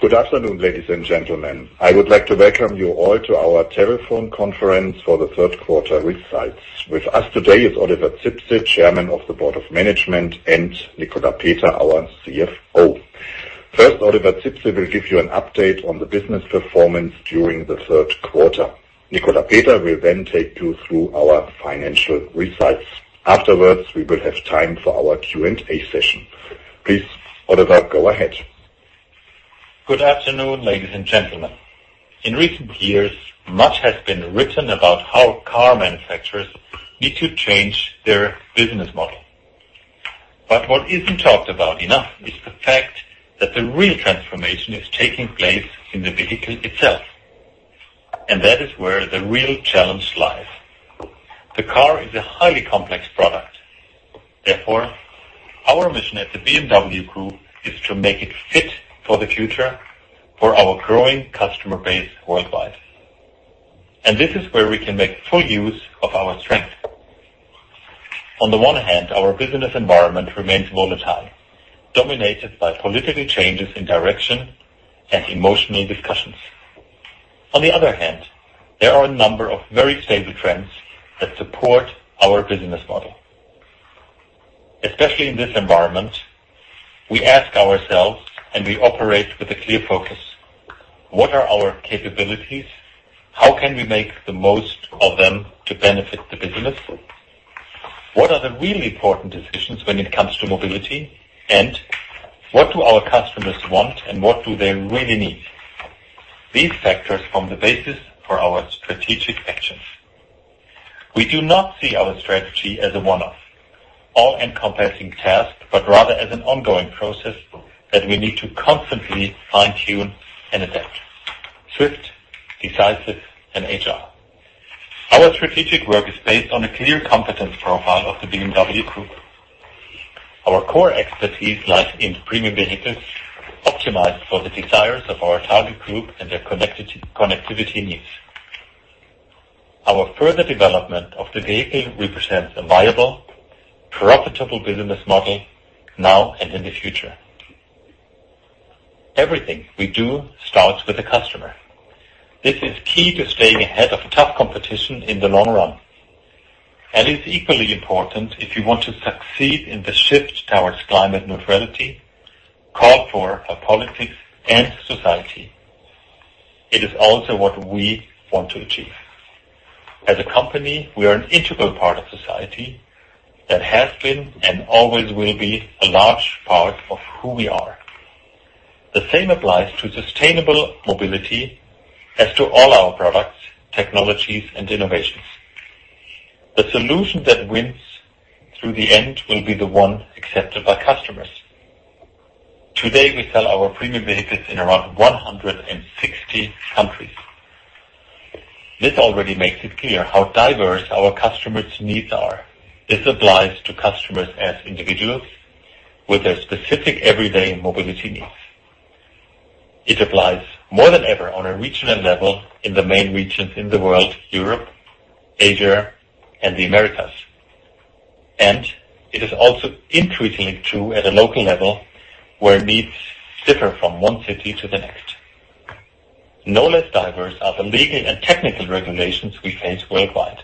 Good afternoon, ladies and gentlemen. I would like to welcome you all to our telephone conference for the third quarter results. With us today is Oliver Zipse, Chairman of the Board of Management, and Nicolas Peter, our CFO. First, Oliver Zipse will give you an update on the business performance during the third quarter. Nicolas Peter will then take you through our financial results. Afterwards, we will have time for our Q&A session. Please, Oliver, go ahead. Good afternoon, ladies and gentlemen. In recent years, much has been written about how car manufacturers need to change their business model. What isn't talked about enough is the fact that the real transformation is taking place in the vehicle itself, and that is where the real challenge lies. The car is a highly complex product. Therefore, our mission at the BMW Group is to make it fit for the future for our growing customer base worldwide. This is where we can make full use of our strength. On the one hand, our business environment remains volatile, dominated by political changes in direction and emotional discussions. On the other hand, there are a number of very stable trends that support our business model. Especially in this environment, we ask ourselves and we operate with a clear focus: What are our capabilities? How can we make the most of them to benefit the business? What are the really important decisions when it comes to mobility? What do our customers want, and what do they really need? These factors form the basis for our strategic actions. We do not see our strategy as a one-off, all-encompassing task, but rather as an ongoing process that we need to constantly fine-tune and adapt. Swift, decisive, and agile. Our strategic work is based on a clear competence profile of the BMW Group. Our core expertise lies in premium vehicles optimized for the desires of our target group and their connectivity needs. Our further development of the vehicle represents a viable, profitable business model now and in the future. Everything we do starts with the customer. This is key to staying ahead of tough competition in the long run, and is equally important if you want to succeed in the shift towards climate neutrality called for by politics and society. It is also what we want to achieve. As a company, we are an integral part of society that has been, and always will be, a large part of who we are. The same applies to sustainable mobility as to all our products, technologies, and innovations. The solution that wins through the end will be the one accepted by customers. Today, we sell our premium vehicles in around 160 countries. This already makes it clear how diverse our customers' needs are. This applies to customers as individuals with their specific everyday mobility needs. It applies more than ever on a regional level in the main regions in the world, Europe, Asia, and the Americas. It is also increasingly true at a local level, where needs differ from one city to the next. No less diverse are the legal and technical regulations we face worldwide.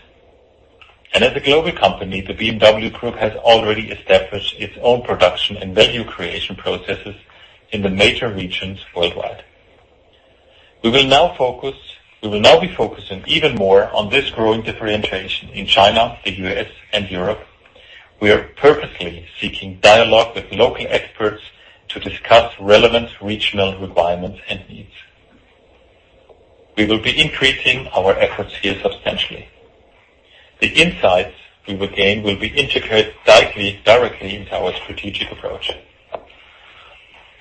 As a global company, the BMW Group has already established its own production and value creation processes in the major regions worldwide. We will now be focusing even more on this growing differentiation in China, the U.S., and Europe. We are purposely seeking dialogue with local experts to discuss relevant regional requirements and needs. We will be increasing our efforts here substantially. The insights we will gain will be integrated directly into our strategic approach.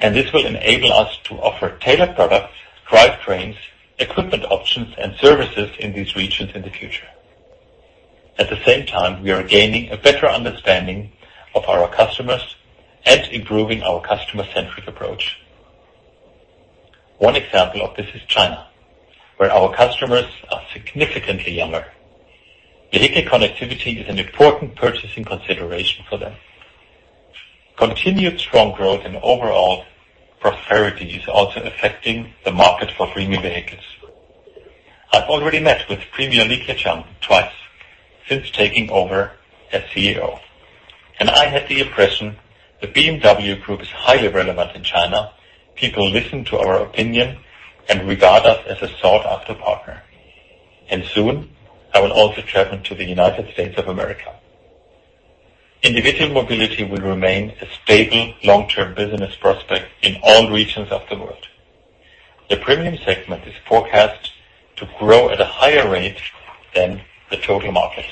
This will enable us to offer tailored products, drivetrains, equipment options, and services in these regions in the future. At the same time, we are gaining a better understanding of our customers and improving our customer-centric approach. One example of this is China, where our customers are significantly younger. Vehicle connectivity is an important purchasing consideration for them. Continued strong growth and overall prosperity is also affecting the market for premium vehicles. I've already met with Premier Li Qiang twice since taking over as CEO, and I have the impression the BMW Group is highly relevant in China. People listen to our opinion and regard us as a sought-after partner. Soon, I will also travel to the United States of America. Individual mobility will remain a stable long-term business prospect in all regions of the world. The premium segment is forecast to grow at a higher rate than the total market.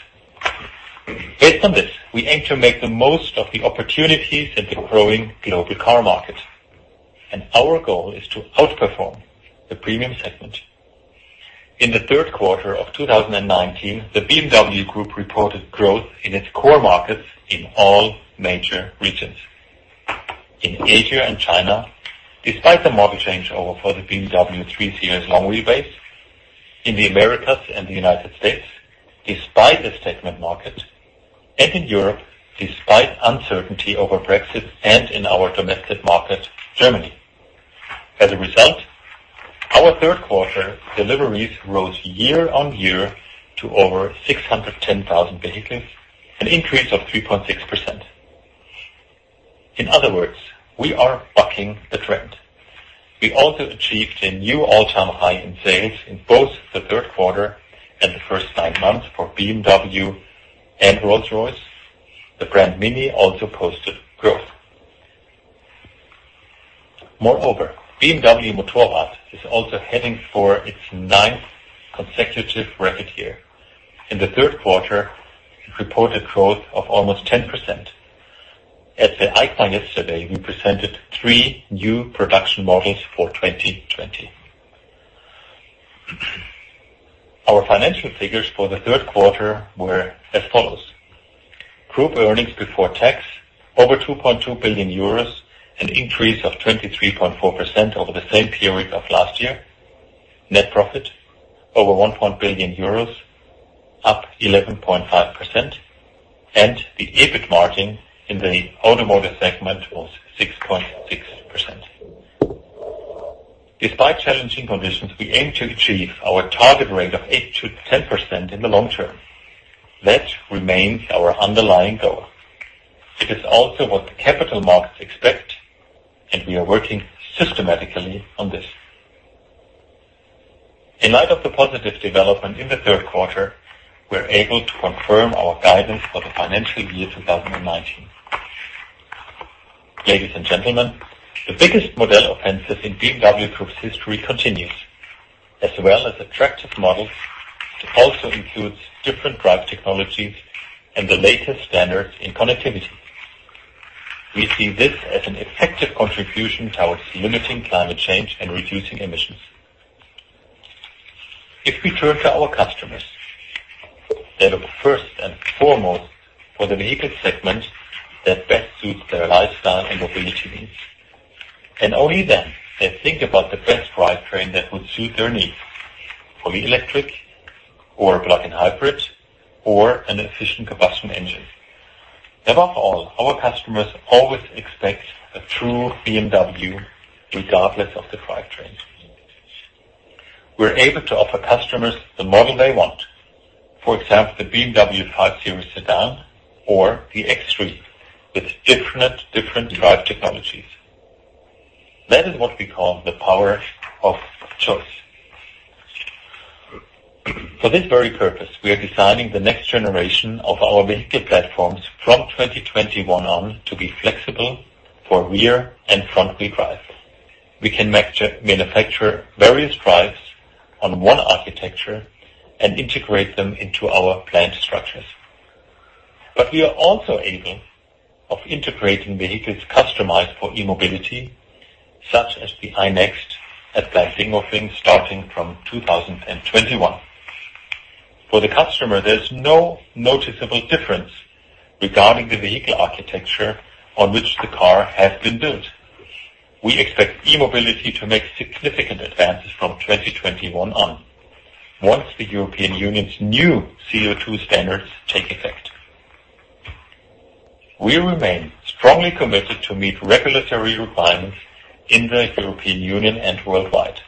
Based on this, we aim to make the most of the opportunities in the growing global car market, and our goal is to outperform the premium segment. In the third quarter of 2019, the BMW Group reported growth in its core markets in all major regions. In Asia and China, despite the model changeover for the BMW 3 Series long wheelbase. In the Americas and the United States, despite a stagnant market, and in Europe, despite uncertainty over Brexit and in our domestic market, Germany. As a result, our third quarter deliveries rose year-on-year to over 610,000 vehicles, an increase of 3.6%. In other words, we are bucking the trend. We also achieved a new all-time high in sales in both the third quarter and the first nine months for BMW and Rolls-Royce. The brand MINI also posted growth. Moreover, BMW Motorrad is also heading for its ninth consecutive record year. In the third quarter, it reported growth of almost 10%. At the IAA yesterday, we presented three new production models for 2020. Our financial figures for the third quarter were as follows: group earnings before tax, over 2.2 billion euros, an increase of 23.4% over the same period of last year. Net profit, over one point billion EUR, up 11.5%, and the EBIT margin in the automotive segment was 6.6%. Despite challenging conditions, we aim to achieve our target rate of 8%-10% in the long term. That remains our underlying goal. It is also what the capital markets expect, and we are working systematically on this. In light of the positive development in the third quarter, we're able to confirm our guidance for the financial year 2019. Ladies and gentlemen, the biggest model offensive in BMW Group's history continues. As well as attractive models, it also includes different drive technologies and the latest standards in connectivity. We see this as an effective contribution towards limiting climate change and reducing emissions. If we turn to our customers, they look first and foremost for the vehicle segment that best suits their lifestyle and mobility needs. Only then they think about the best drivetrain that would suit their needs, fully electric or plug-in hybrid, or an efficient combustion engine. Above all, our customers always expect a true BMW regardless of the drivetrain. We're able to offer customers the model they want. For example, the BMW 5 Series Sedan or the X3 with different drive technologies. That is what we call the power of choice. For this very purpose, we are designing the next generation of our vehicle platforms from 2021 on to be flexible for rear and front-wheel drive. We can manufacture various drives on one architecture and integrate them into our plant structures. We are also able of integrating vehicles customized for e-mobility, such as the iNEXT at Plant Dingolfing, starting from 2021. For the customer, there's no noticeable difference regarding the vehicle architecture on which the car has been built. We expect e-mobility to make significant advances from 2021 on, once the European Union's new CO2 standards take effect. We remain strongly committed to meet regulatory requirements in the European Union and worldwide.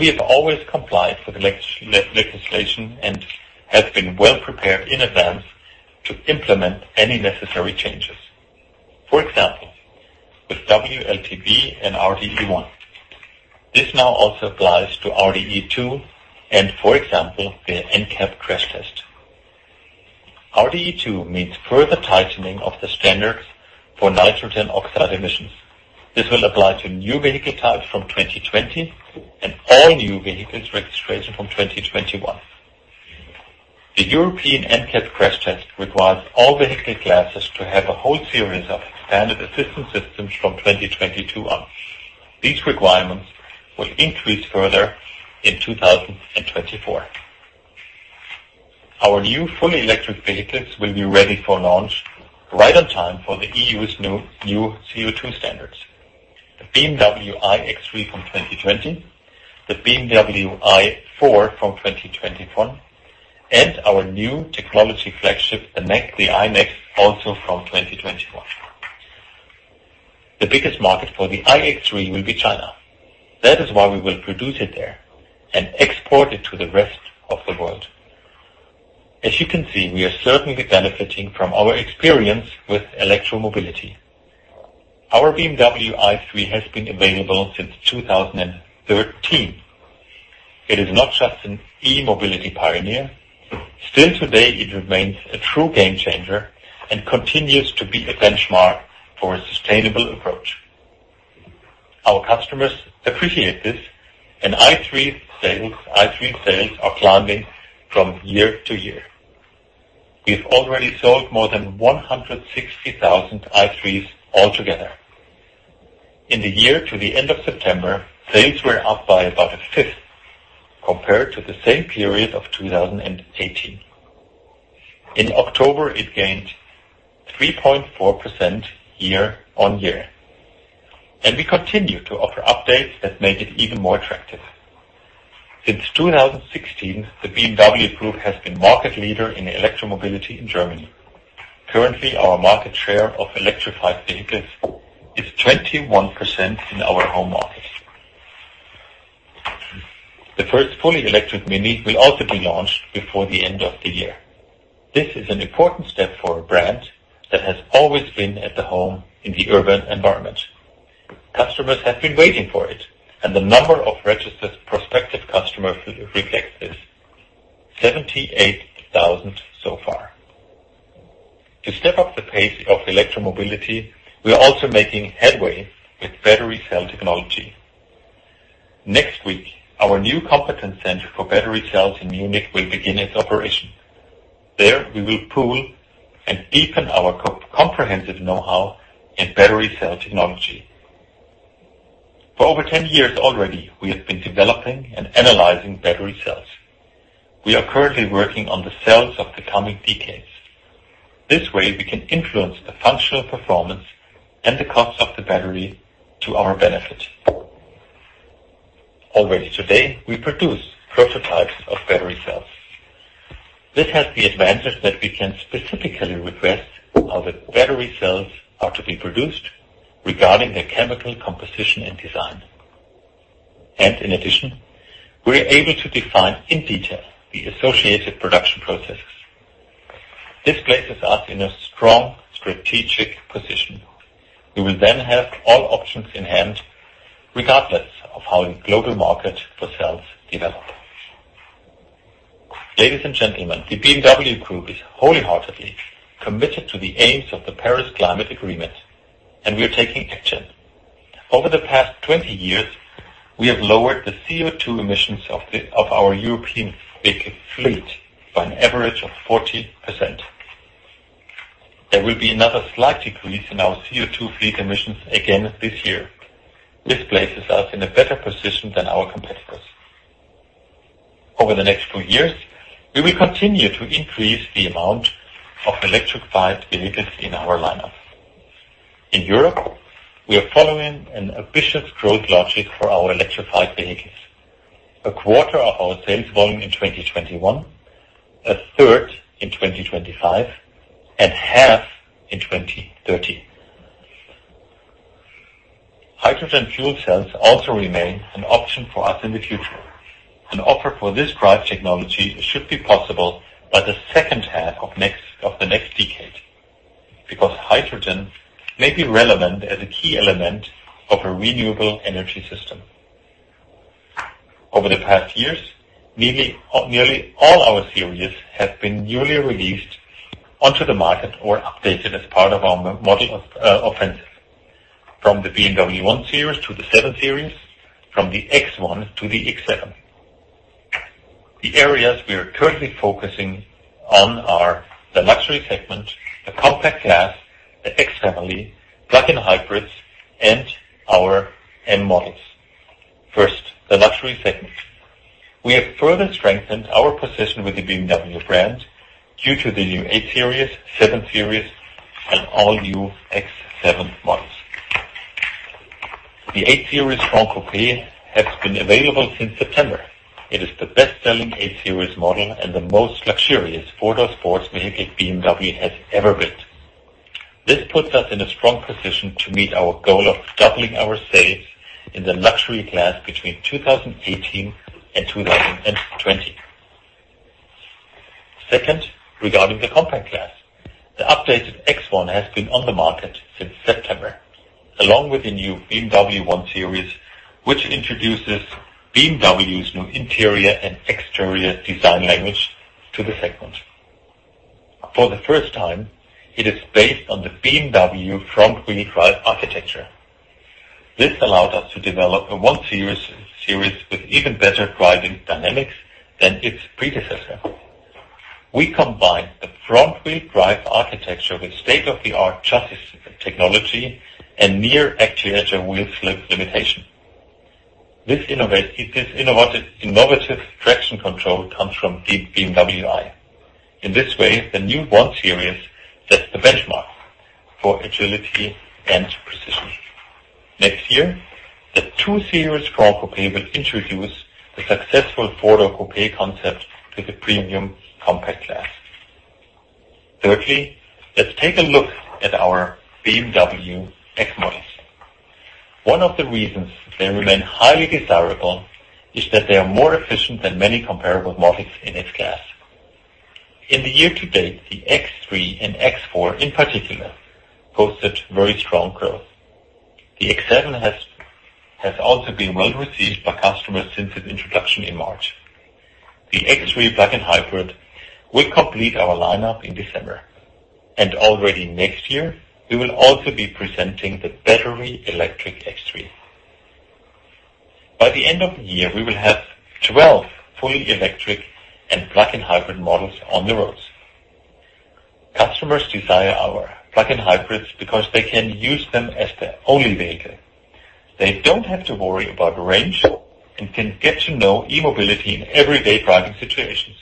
We have always complied with the legislation and have been well-prepared in advance to implement any necessary changes. For example, with WLTP and RDE-1. This now also applies to RDE-2 and, for example, the NCAP crash test. RDE-2 means further tightening of the standards for nitrogen oxide emissions. This will apply to new vehicle types from 2020 and all new vehicles registration from 2021. The European NCAP crash test requires all vehicle classes to have a whole series of standard assistance systems from 2022 on. These requirements will increase further in 2024. Our new fully electric vehicles will be ready for launch right on time for the EU's new CO2 standards. The BMW iX3 from 2020, the BMW i4 from 2021, and our new technology flagship, the iNEXT, also from 2021. The biggest market for the iX3 will be China. That is why we will produce it there and export it to the rest of the world. As you can see, we are certainly benefiting from our experience with electro-mobility. Our BMW i3 has been available since 2013. It is not just an e-mobility pioneer. Still today, it remains a true game changer and continues to be a benchmark for a sustainable approach. Our customers appreciate this, and i3 sales are climbing from year to year. We've already sold more than 160,000 i3s altogether. In the year to the end of September, sales were up by about a fifth compared to the same period of 2018. In October, it gained 3.4% year-over-year. We continue to offer updates that make it even more attractive. Since 2016, the BMW Group has been market leader in electromobility in Germany. Currently, our market share of electrified vehicles is 21% in our home market. The first fully electric MINI will also be launched before the end of the year. This is an important step for a brand that has always been at home in the urban environment. Customers have been waiting for it, and the number of registered prospective customers reflects this, 78,000 so far. To step up the pace of electromobility, we are also making headway with battery cell technology. Next week, our new competence center for battery cells in Munich will begin its operation. There, we will pool and deepen our comprehensive knowhow in battery cell technology. For over 10 years already, we have been developing and analyzing battery cells. We are currently working on the cells of the coming decades. This way, we can influence the functional performance and the cost of the battery to our benefit. Already today, we produce prototypes of battery cells. This has the advantage that we can specifically request how the battery cells are to be produced regarding their chemical composition and design. In addition, we're able to define in detail the associated production processes. This places us in a strong strategic position. We will have all options in hand, regardless of how the global market for cells develop. Ladies and gentlemen, the BMW Group is wholeheartedly committed to the aims of the Paris Climate Agreement, and we are taking action. Over the past 20 years, we have lowered the CO2 emissions of our European vehicle fleet by an average of 40%. There will be another slight decrease in our CO2 fleet emissions again this year. This places us in a better position than our competitors. Over the next few years, we will continue to increase the amount of electrified vehicles in our lineup. In Europe, we are following an ambitious growth logic for our electrified vehicles. A quarter of our sales volume in 2021, a third in 2025, and half in 2030. Hydrogen fuel cells also remain an option for us in the future. An offer for this drive technology should be possible by the second half of the next decade because hydrogen may be relevant as a key element of a renewable energy system. Over the past years, nearly all our series have been newly released onto the market or updated as part of our model offensive, from the BMW 1 Series to the 7 Series, from the X1 to the X7. The areas we are currently focusing on are the luxury segment, the compact class, the X family, plug-in hybrids, and our M models. First, the luxury segment. We have further strengthened our position with the BMW brand due to the new 8 Series, 7 Series, and all new X7 models. The 8 Series Gran Coupe has been available since September. It is the best-selling 8 Series model and the most luxurious four-door sports vehicle BMW has ever built. This puts us in a strong position to meet our goal of doubling our sales in the luxury class between 2018 and 2020. Second, regarding the compact class. The updated X1 has been on the market since September, along with the new BMW 1 Series, which introduces BMW's new interior and exterior design language to the segment. For the first time, it is based on the BMW front wheel drive architecture. This allows us to develop a 1 Series with even better driving dynamics than its predecessor. We combine the front wheel drive architecture with state-of-the-art chassis technology and near-actuator wheel slip limitation. This innovative traction control comes from BMW i. In this way, the new 1 Series sets the benchmark for agility and precision. Next year, the 2 Series Gran Coupe will introduce the successful four-door coupe concept to the premium compact class. Let's take a look at our BMW X models. One of the reasons they remain highly desirable is that they are more efficient than many comparable models in its class. In the year to date, the X3 and X4, in particular, posted very strong growth. The X7 has also been well received by customers since its introduction in March. The X3 plug-in hybrid will complete our lineup in December. Already next year, we will also be presenting the battery electric X3. By the end of the year, we will have 12 fully electric and plug-in hybrid models on the roads. Customers desire our plug-in hybrids because they can use them as their only vehicle. They don't have to worry about range and can get to know e-mobility in everyday driving situations.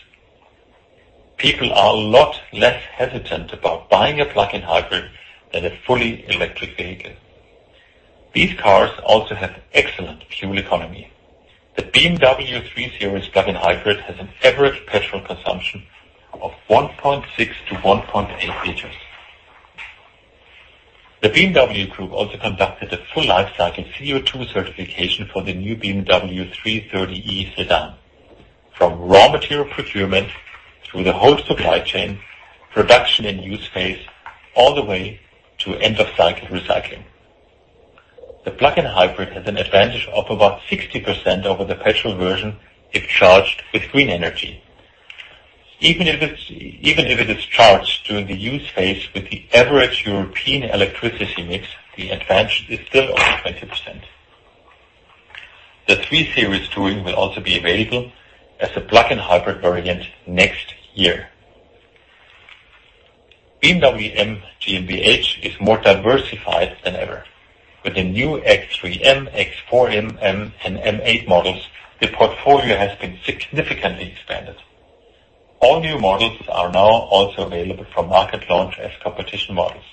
People are a lot less hesitant about buying a plug-in hybrid than a fully electric vehicle. These cars also have excellent fuel economy. The BMW 3 Series plug-in hybrid has an average petrol consumption of 1.6-1.8 liters. The BMW Group also conducted a full life-cycle CO2 certification for the new BMW 330e sedan, from raw material procurement through the whole supply chain, production, and use phase, all the way to end-of-cycle recycling. The plug-in hybrid has an advantage of about 60% over the petrol version if charged with green energy. Even if it is charged during the use phase with the average European electricity mix, the advantage is still over 20%. The 3 Series Touring will also be available as a plug-in hybrid variant next year. BMW M GmbH is more diversified than ever. With the new X3 M, X4 M, and M8 models, the portfolio has been significantly expanded. All new models are now also available from market launch as competition models.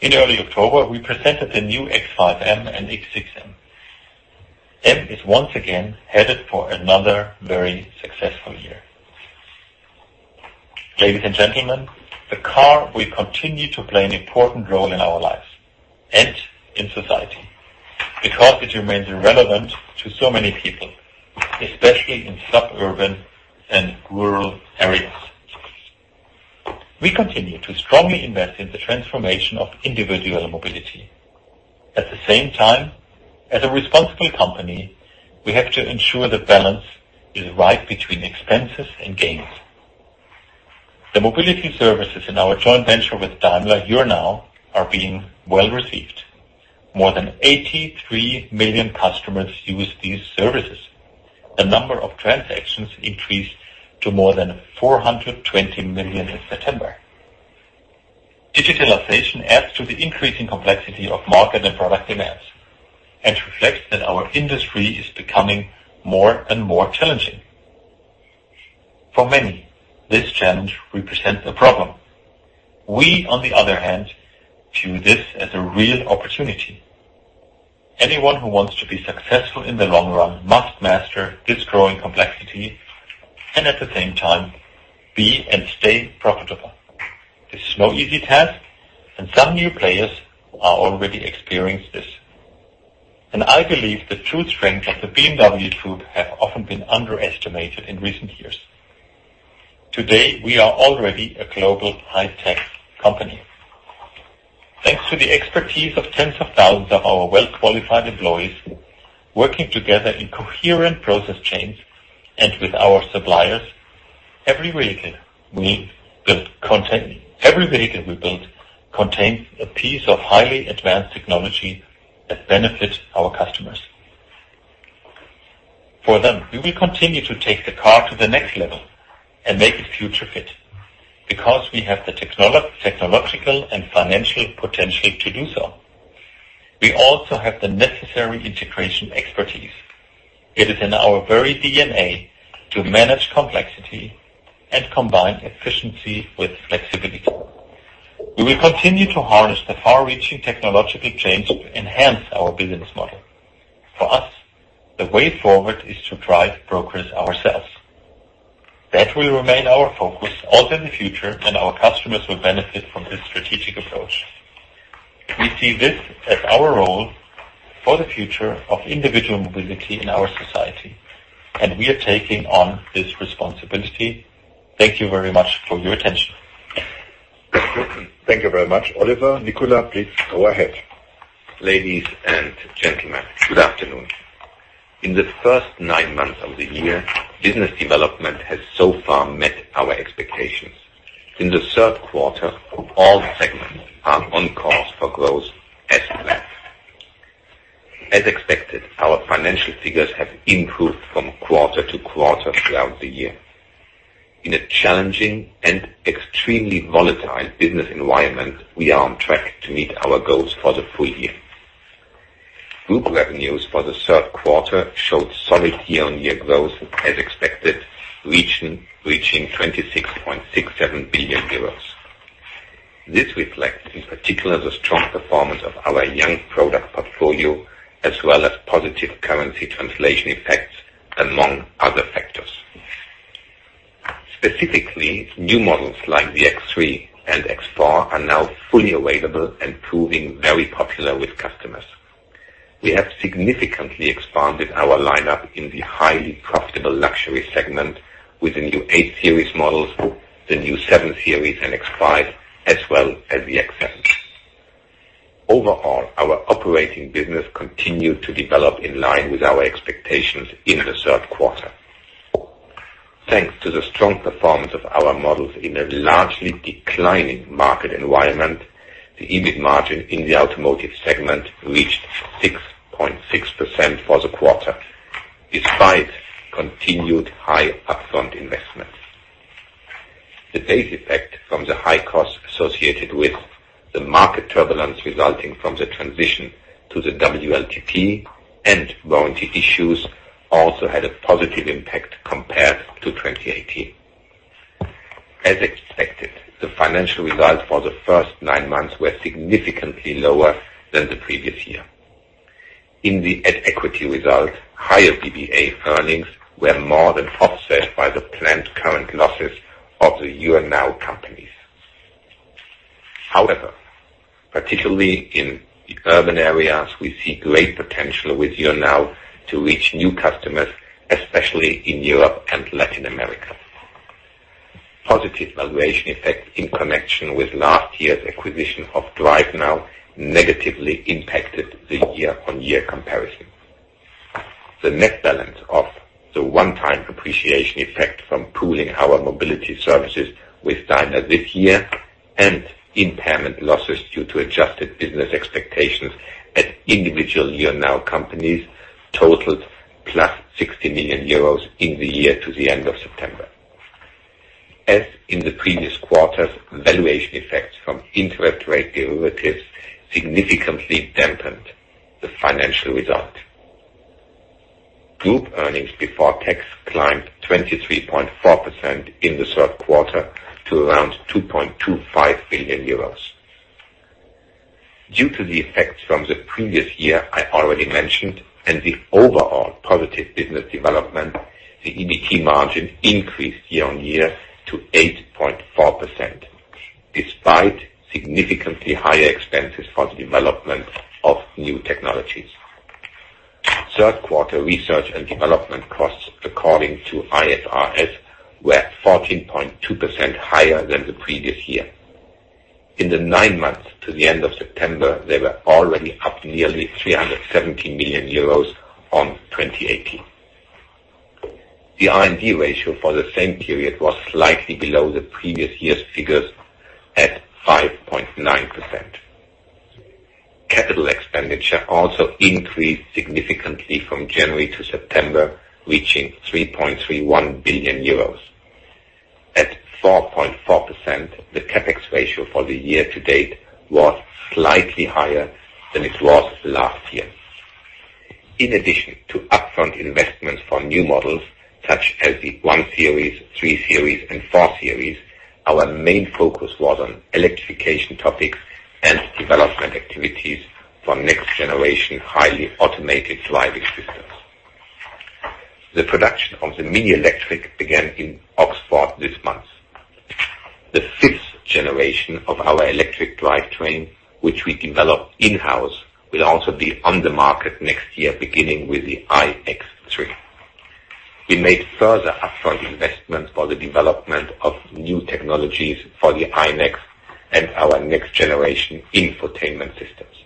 In early October, we presented the new X5 M and X6 M. M is once again headed for another very successful year. Ladies and gentlemen, the car will continue to play an important role in our lives and in society because it remains relevant to so many people, especially in suburban and rural areas. We continue to strongly invest in the transformation of individual mobility. At the same time, as a responsible company, we have to ensure the balance is right between expenses and gains. The mobility services in our joint venture with Daimler, YOUR NOW, are being well received. More than 83 million customers use these services. The number of transactions increased to more than 420 million in September. Digitalization adds to the increasing complexity of market and product demands and reflects that our industry is becoming more and more challenging. For many, this challenge represents a problem. We, on the other hand, view this as a real opportunity. Anyone who wants to be successful in the long run must master this growing complexity and at the same time be and stay profitable. This is no easy task, and some new players are already experiencing this. I believe the true strength of the BMW Group has often been underestimated in recent years. Today, we are already a global high-tech company. Thanks to the expertise of tens of thousands of our well-qualified employees working together in coherent process chains and with our suppliers, every vehicle we build contains a piece of highly advanced technology that benefits our customers. For them, we will continue to take the car to the next level and make it future fit because we have the technological and financial potential to do so. We also have the necessary integration expertise. It is in our very DNA to manage complexity and combine efficiency with flexibility. We will continue to harness the far-reaching technological change to enhance our business model. For us, the way forward is to drive progress ourselves. That will remain our focus also in the future, and our customers will benefit from this strategic approach. We see this as our role for the future of individual mobility in our society, and we are taking on this responsibility. Thank you very much for your attention. Thank you very much, Oliver. Nicolas, please go ahead. Ladies and gentlemen, good afternoon. In the first nine months of the year, business development has so far met our expectations. In the third quarter, all segments are on course for growth as planned. As expected, our financial figures have improved from quarter to quarter throughout the year. In a challenging and extremely volatile business environment, we are on track to meet our goals for the full year. Group revenues for the third quarter showed solid year-on-year growth as expected, reaching 26.67 billion euros. This reflects, in particular, the strong performance of our young product portfolio as well as positive currency translation effects, among other factors. Specifically, new models like the X3 and X4 are now fully available and proving very popular with customers. We have significantly expanded our lineup in the highly profitable luxury segment with the new 8 Series models, the new 7 Series and X5, as well as the XM. Overall, our operating business continued to develop in line with our expectations in the third quarter. Thanks to the strong performance of our models in a largely declining market environment, the EBIT margin in the automotive segment reached 6.6% for the quarter, despite continued high upfront investment. The base effect from the high cost associated with the market turbulence resulting from the transition to the WLTP and warranty issues also had a positive impact compared to 2018. As expected, the financial results for the first nine months were significantly lower than the previous year. In the at-equity result, higher BBA earnings were more than offset by the planned current losses of the YOUR NOW companies. However, particularly in the urban areas, we see great potential with YOUR NOW to reach new customers, especially in Europe and Latin America. Positive valuation effect in connection with last year's acquisition of DriveNow negatively impacted the year-over-year comparison. The net balance of the one-time appreciation effect from pooling our mobility services with Daimler this year and impairment losses due to adjusted business expectations at individual YOUR NOW companies totaled plus 60 million euros in the year to the end of September. As in the previous quarters, valuation effects from interest rate derivatives significantly dampened the financial result. Group earnings before tax climbed 23.4% in the third quarter to around 2.25 billion euros. Due to the effects from the previous year I already mentioned, and the overall positive business development, the EBT margin increased year-over-year to 8.4%, despite significantly higher expenses for the development of new technologies. Third quarter research and development costs, according to IFRS, were 14.2% higher than the previous year. In the nine months to the end of September, they were already up nearly 317 million euros on 2018. The R&D ratio for the same period was slightly below the previous year's figures at 5.9%. Capital expenditure also increased significantly from January to September, reaching 3.31 billion euros. At 4.4%, the CapEx ratio for the year to date was slightly higher than it was last year. In addition to upfront investments for new models, such as the 1 Series, 3 Series, and 4 Series, our main focus was on electrification topics and development activities for next-generation highly automated driving systems. The production of the MINI Electric began in Oxford this month. The fifth generation of our electric drivetrain, which we developed in-house, will also be on the market next year, beginning with the iX3. We made further upfront investments for the development of new technologies for the iNEXT and our next-generation infotainment systems.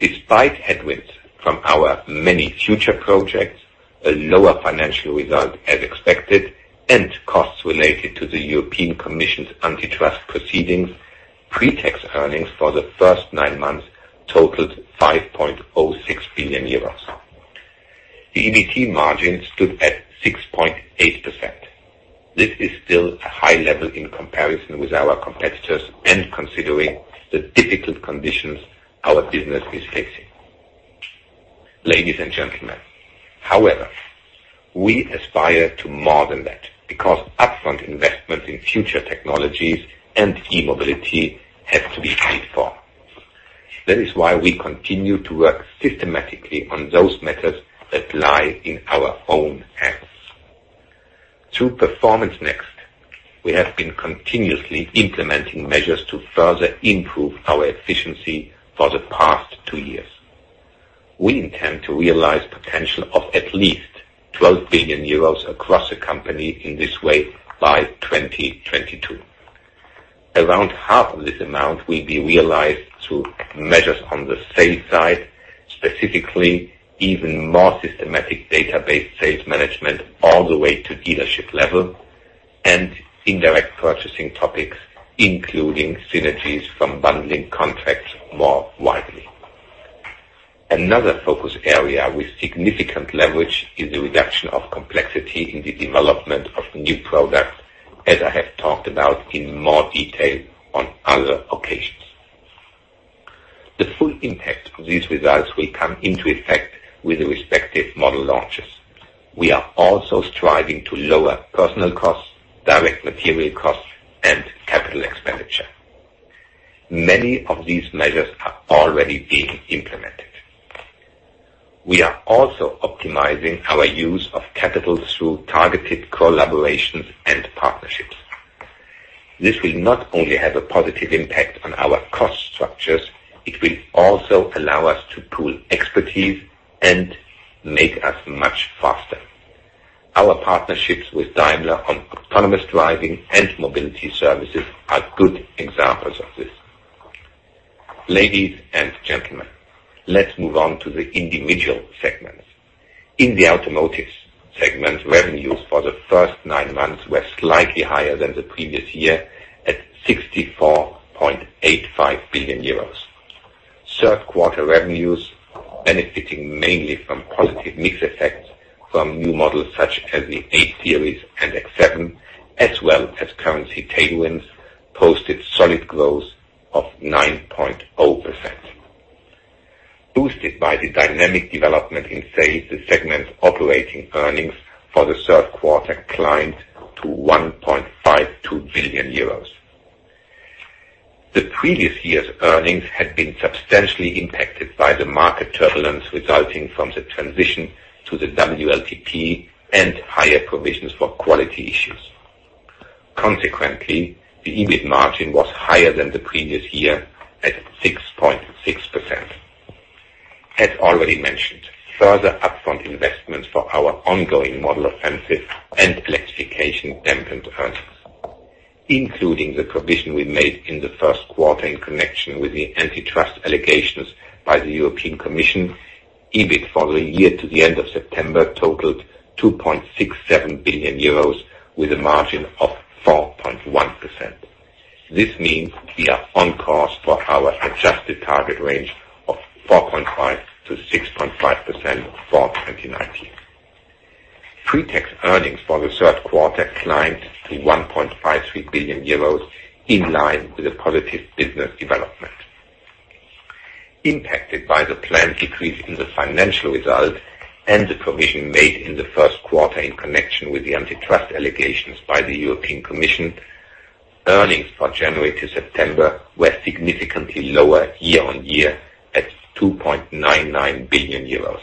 Despite headwinds from our many future projects, a lower financial result as expected, and costs related to the European Commission's antitrust proceedings, pre-tax earnings for the first nine months totaled 5.06 billion euros. The EBT margin stood at 6.8%. This is still a high level in comparison with our competitors and considering the difficult conditions our business is facing. Ladies and gentlemen, however, we aspire to more than that, because upfront investments in future technologies and e-mobility have to be paid for. That is why we continue to work systematically on those matters that lie in our own hands. Through Performance > NEXT, we have been continuously implementing measures to further improve our efficiency for the past two years. We intend to realize potential of at least 12 billion euros across the company in this way by 2022. Around half of this amount will be realized through measures on the sales side, specifically even more systematic database sales management all the way to dealership level, and indirect purchasing topics, including synergies from bundling contracts more widely. Another focus area with significant leverage is the reduction of complexity in the development of new products, as I have talked about in more detail on other occasions. The full impact of these results will come into effect with the respective model launches. We are also striving to lower personal costs, direct material costs, and capital expenditure. Many of these measures are already being implemented. We are also optimizing our use of capital through targeted collaborations and partnerships. This will not only have a positive impact on our cost structures, it will also allow us to pool expertise and make us much faster. Our partnerships with Daimler on autonomous driving and mobility services are good examples of this. Ladies and gentlemen, let's move on to the individual segments. In the Automotive segment, revenues for the first nine months were slightly higher than the previous year at 64.85 billion euros. Third quarter revenues, benefiting mainly from positive mix effects from new models such as the 8 Series and X7, as well as currency tailwinds, posted solid growth of 9.0%. Boosted by the dynamic development in sales, the segment operating earnings for the third quarter climbed to 1.52 billion euros. The previous year's earnings had been substantially impacted by the market turbulence resulting from the transition to the WLTP and higher provisions for quality issues. Consequently, the EBIT margin was higher than the previous year at 6.6%. As already mentioned, further upfront investments for our ongoing model offensive and electrification dampened earnings. Including the provision we made in the first quarter in connection with the antitrust allegations by the European Commission, EBIT for the year to the end of September totaled 2.67 billion euros, with a margin of 4.1%. This means we are on course for our adjusted target range of 4.5%-6.5% for 2019. Pre-tax earnings for the third quarter climbed to 1.53 billion euros, in line with the positive business development. Impacted by the planned decrease in the financial result and the provision made in the first quarter in connection with the antitrust allegations by the European Commission, earnings for January to September were significantly lower year-over-year at 2.99 billion euros.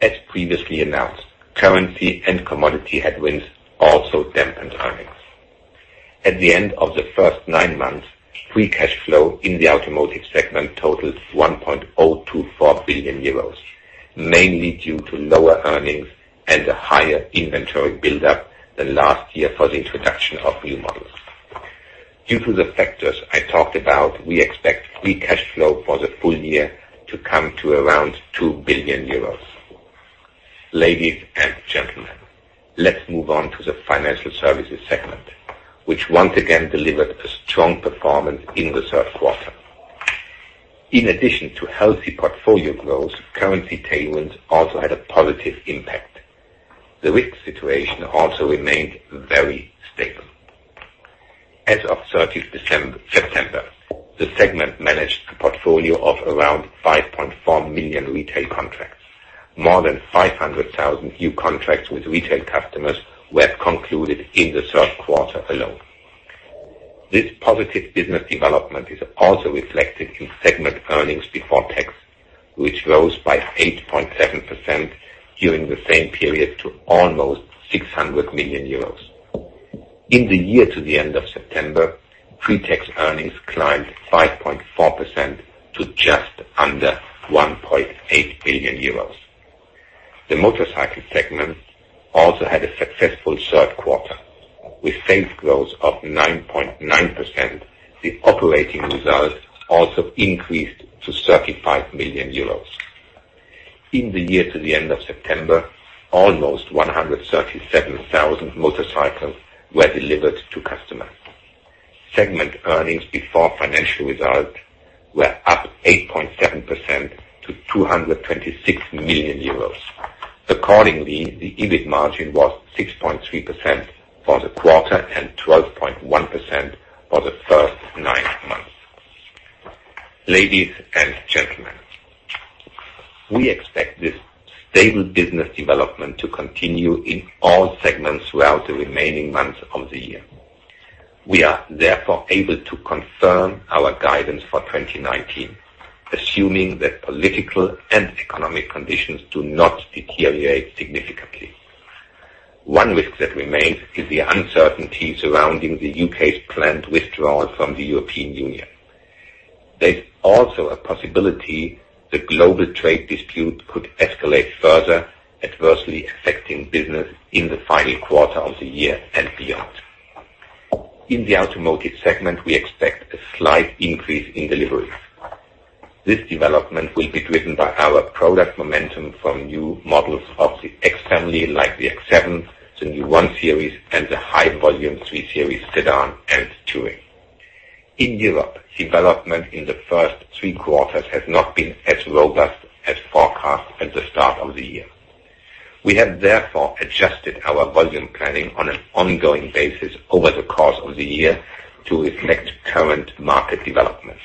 As previously announced, currency and commodity headwinds also dampened earnings. At the end of the first nine months, free cash flow in the automotive segment totaled 1.024 billion euros, mainly due to lower earnings and a higher inventory buildup than last year for the introduction of new models. Due to the factors I talked about, we expect free cash flow for the full year to come to around 2 billion euros. Ladies and gentlemen, let's move on to the financial services segment, which once again delivered a strong performance in the third quarter. In addition to healthy portfolio growth, currency tailwinds also had a positive impact. The risk situation also remained very stable. As of 30th September, the segment managed a portfolio of around 5.4 million retail contracts. More than 500,000 new contracts with retail customers were concluded in the third quarter alone. This positive business development is also reflected in segment earnings before tax, which rose by 8.7% during the same period to almost 600 million euros. In the year to the end of September, pre-tax earnings climbed 5.4% to just under 1.8 billion euros. The motorcycle segment also had a successful third quarter. With sales growth of 9.9%, the operating results also increased to 35 million euros. In the year to the end of September, almost 137,000 motorcycles were delivered to customers. Segment earnings before financial results were up 8.7% to 226 million euros. Accordingly, the EBIT margin was 6.3% for the quarter and 12.1% for the first nine months. Ladies and gentlemen, we expect this stable business development to continue in all segments throughout the remaining months of the year. We are therefore able to confirm our guidance for 2019, assuming that political and economic conditions do not deteriorate significantly. One risk that remains is the uncertainty surrounding the U.K.'s planned withdrawal from the European Union. There's also a possibility the global trade dispute could escalate further, adversely affecting business in the final quarter of the year and beyond. In the automotive segment, we expect a slight increase in deliveries. This development will be driven by our product momentum from new models of the X family, like the X7, the new 1 Series, and the high volume 3 Series Sedan and Touring. In Europe, development in the first three quarters has not been as robust as forecast at the start of the year. We have therefore adjusted our volume planning on an ongoing basis over the course of the year to reflect current market developments.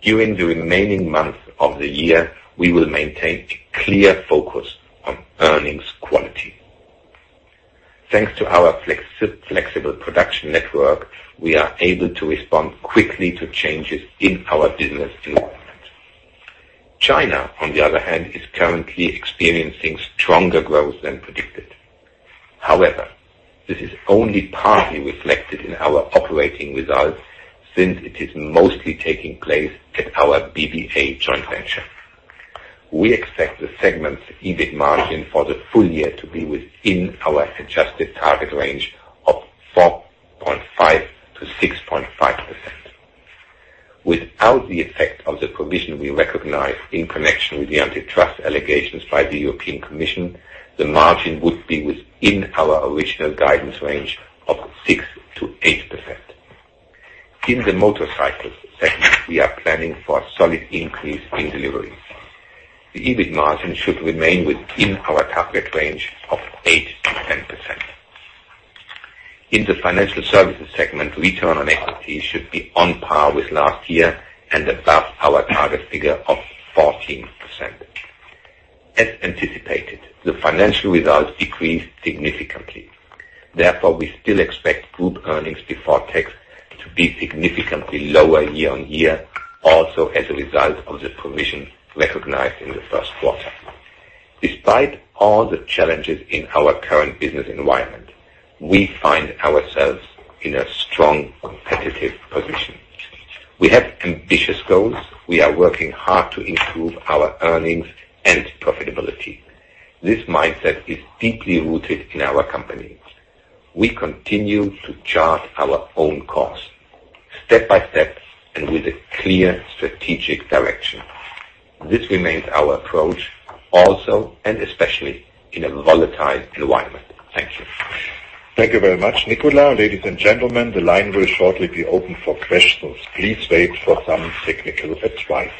During the remaining months of the year, we will maintain a clear focus on earnings quality. Thanks to our flexible production network, we are able to respond quickly to changes in our business environment. China, on the other hand, is currently experiencing stronger growth than predicted. However, this is only partly reflected in our operating results since it is mostly taking place at our BBA joint venture. We expect the segment's EBIT margin for the full year to be within our adjusted target range of 4.5%-6.5%. Without the effect of the provision we recognized in connection with the antitrust allegations by the European Commission, the margin would be within our original guidance range of 6%-8%. In the motorcycle segment, we are planning for a solid increase in deliveries. The EBIT margin should remain within our target range of 8%-10%. In the financial services segment, return on equity should be on par with last year and above our target figure of 14%. As anticipated, the financial results decreased significantly. Therefore, we still expect Group earnings before tax to be significantly lower year on year also as a result of the provision recognized in the first quarter. Despite all the challenges in our current business environment, we find ourselves in a strong competitive position. We have ambitious goals. We are working hard to improve our earnings and profitability. This mindset is deeply rooted in our company. We continue to chart our own course, step by step and with a clear strategic direction. This remains our approach also, and especially, in a volatile environment. Thank you. Thank you very much, Nicolas. Ladies and gentlemen, the line will shortly be open for questions. Please wait for some technical advice.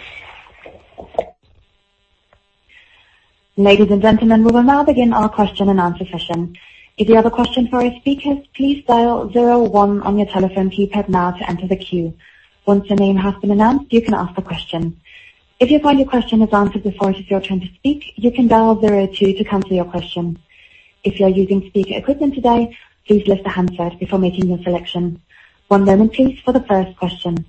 Ladies and gentlemen, we will now begin our question and answer session. If you have a question for our speakers, please dial zero one on your telephone keypad now to enter the queue. Once your name has been announced, you can ask the question. If you find your question is answered before it is your turn to speak, you can dial zero two to cancel your question. If you are using speaker equipment today, please lift the handset before making your selection. One moment please for the first question.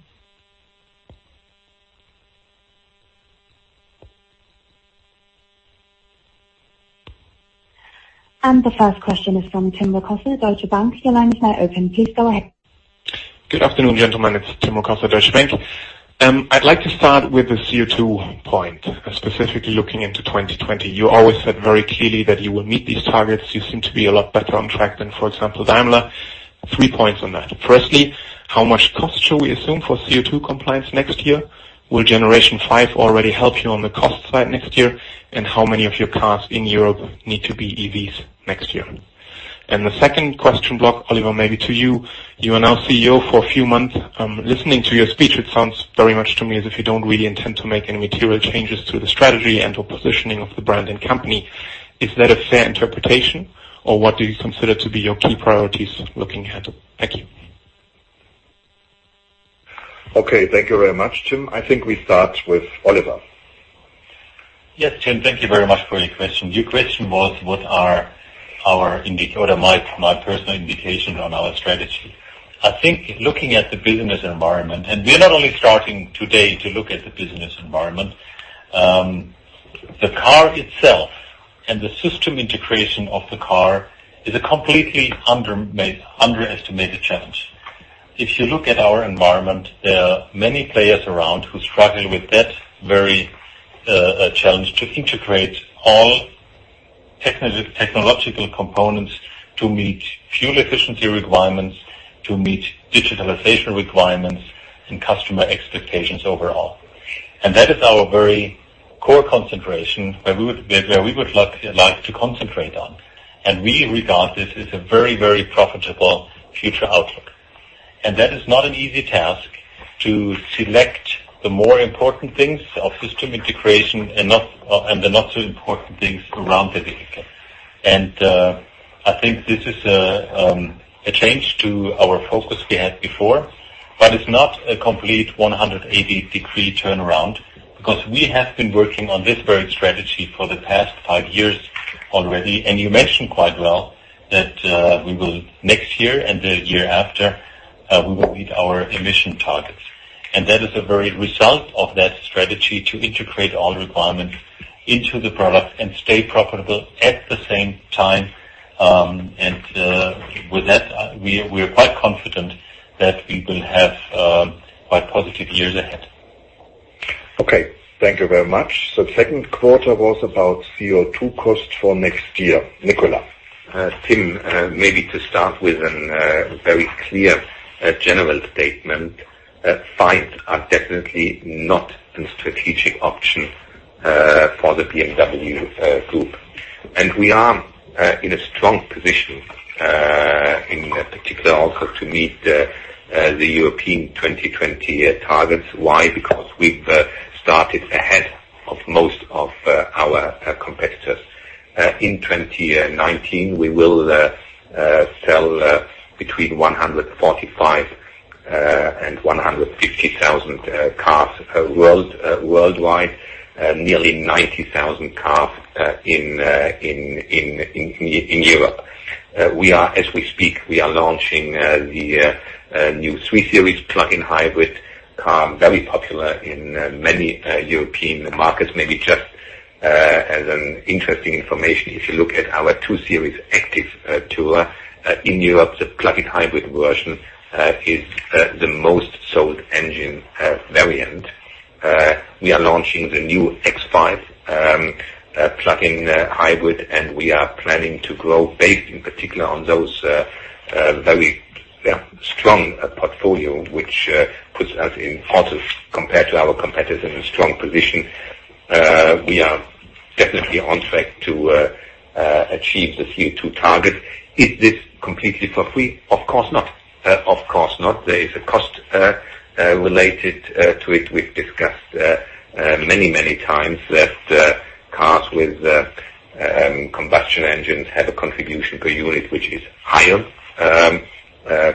The first question is from Tim Rokossa, Deutsche Bank. Your line is now open. Please go ahead. Good afternoon, gentlemen. It's Tim Rokossa, Deutsche Bank. I'd like to start with the CO2 point, specifically looking into 2020. You always said very clearly that you will meet these targets. You seem to be a lot better on track than, for example, Daimler. Three points on that. Firstly, how much cost should we assume for CO2 compliance next year? Will Generation Five already help you on the cost side next year? How many of your cars in Europe need to be EVs next year? The second question block, Oliver, maybe to you. You are now CEO for a few months. Listening to your speech, it sounds very much to me as if you don't really intend to make any material changes to the strategy and or positioning of the brand and company. Is that a fair interpretation, or what do you consider to be your key priorities looking ahead? Thank you. Okay, thank you very much, Tim. I think we start with Oliver. Yes, Tim, thank you very much for your question. Your question was, what are my personal indications on our strategy? I think looking at the business environment, we are not only starting today to look at the business environment. The car itself and the system integration of the car is a completely underestimated challenge. If you look at our environment, there are many players around who struggle with that very challenge to integrate all technological components to meet fuel efficiency requirements, to meet digitalization requirements, and customer expectations overall. That is our very core concentration where we would like to concentrate on. We regard this as a very, very profitable future outlook. That is not an easy task to select the more important things of system integration and the not so important things around the vehicle. I think this is a change to our focus we had before, but it's not a complete 180-degree turnaround because we have been working on this very strategy for the past five years already. You mentioned quite well that we will next year and the year after, we will meet our emission targets. That is a very result of that strategy to integrate all requirements into the product and stay profitable at the same time. With that, we are quite confident that we will have quite positive years ahead. Okay. Thank you very much. The second quarter was about CO2 costs for next year. Nicolas. Tim, maybe to start with a very clear general statement, fines are definitely not a strategic option for the BMW Group. We are in a strong position, in particular also to meet the European 2020 targets. Why? Because we've started ahead of most of our competitors. In 2019, we will sell between 145 and 150,000 cars worldwide, nearly 90,000 cars in Europe. As we speak, we are launching the new 3 Series plug-in hybrid car, very popular in many European markets. Maybe just as an interesting information, if you look at our 2 Series Active Tourer in Europe, the plug-in hybrid version is the most sold engine variant. We are launching the new X5 plug-in hybrid. We are planning to grow based in particular on those very strong portfolio, which puts us in part compared to our competitors in a strong position. We are definitely on track to achieve the CO2 target. Is this completely for free? Of course not. There is a cost related to it. We've discussed many times that cars with combustion engines have a contribution per unit which is higher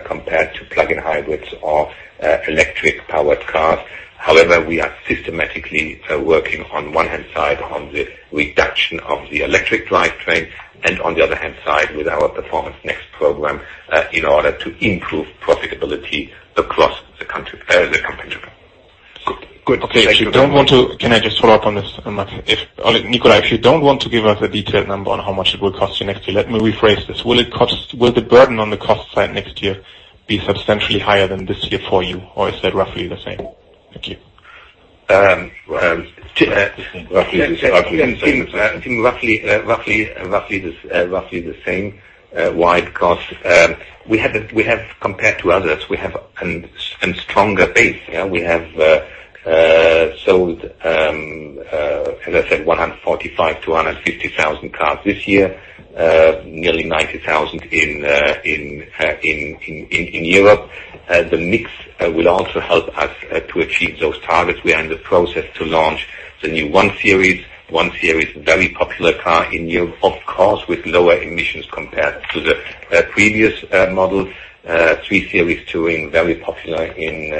compared to plug-in hybrids or electric-powered cars. However, we are systematically working on one hand side on the reduction of the electric drivetrain, and on the other hand side with our Performance Next program, in order to improve profitability across the company. Good. Okay. Can I just follow up on this, Nicolas, if you don't want to give us a detailed number on how much it will cost you next year, let me rephrase this. Will the burden on the cost side next year be substantially higher than this year for you, or is that roughly the same? Thank you. Roughly the same. Why? Compared to others, we have a stronger base. We have sold, as I said, 145,000-150,000 cars this year, nearly 90,000 in Europe. The mix will also help us to achieve those targets. We are in the process to launch the new 1 Series. 1 Series, very popular car in Europe, of course, with lower emissions compared to the previous models. 3 Series Touring, very popular in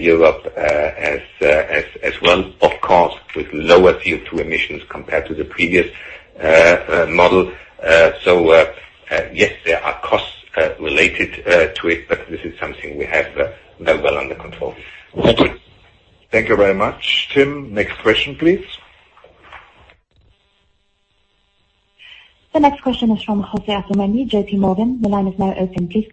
Europe as well, of course, with lower CO2 emissions compared to the previous model. Yes, there are costs related to it, this is something we have well under control. Thank you. Thank you very much. Tim, next question, please. The next question is from Jose Asumendi, JPMorgan. The line is now open, please.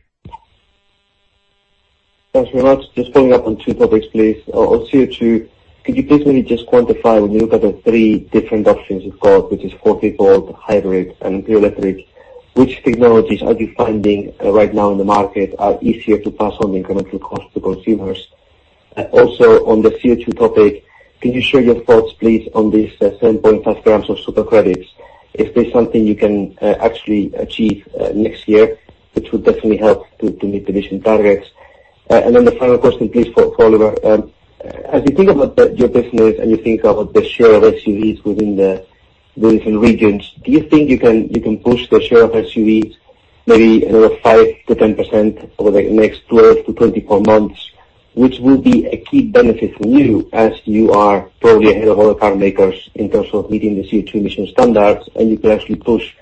Thanks very much. Just following up on two topics, please. On CO2, could you please maybe just quantify when you look at the three different options you've got, which is 48 volt, hybrid, and pure electric, which technologies are you finding right now in the market are easier to pass on the incremental cost to consumers? On the CO2 topic, can you share your thoughts, please, on this 7.5 grams of super-credits? If there's something you can actually achieve next year, which would definitely help to meet the emission targets. The final question, please, for Oliver. As you think about your business and you think about the share of SUVs within the different regions, do you think you can push the share of SUVs maybe another 5% to 10% over the next 12 to 24 months, which will be a key benefit for you as you are probably ahead of other car makers in terms of meeting the CO2 emission standards, and you can actually push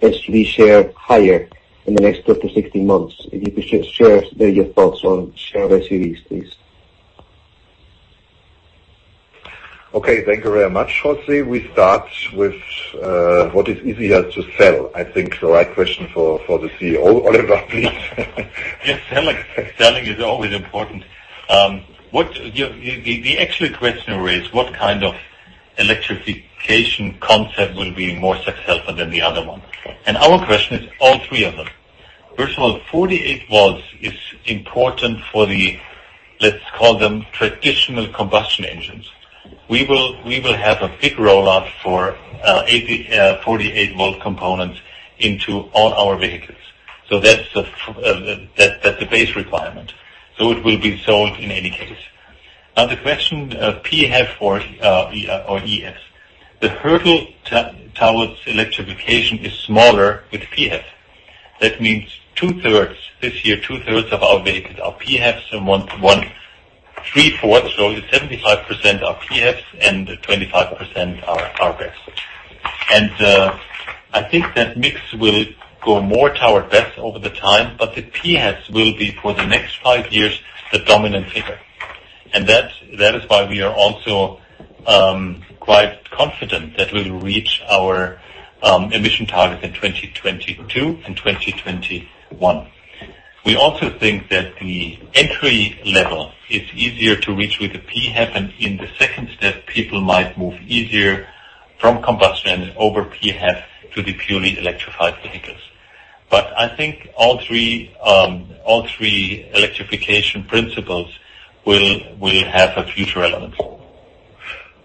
SUV share higher in the next 12 to 16 months. If you could just share your thoughts on share of SUVs, please. Thank you very much, Jose. We start with what is easier to sell. I think the right question for the CEO. Oliver, please. Yes, selling is always important. The actual question raised, what kind of electrification concept will be more successful than the other one? Our question is all three of them. First of all, 48 volts is important for the, let's call them traditional combustion engines. We will have a big rollout for 48-volt components into all our vehicles. That's the base requirement. It will be sold in any case. Now the question of PHEV or EV. The hurdle towards electrification is smaller with PHEV. That means 2/3. This year, 2/3 of our vehicles are PHEVs and 3/4 or 75% are PHEVs and 25% are BEV. I think that mix will go more toward BEV over the time, but the PHEVs will be for the next five years the dominant figure. That is why we are also quite confident that we'll reach our emission targets in 2022 and 2021. We also think that the entry level is easier to reach with the PHEV. In the second step, people might move easier from combustion over PHEV to the purely electrified vehicles. I think all three electrification principles will have a future element.